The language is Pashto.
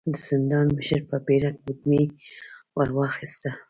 د زندان مشر په بيړه ګوتمۍ ور واخيسته.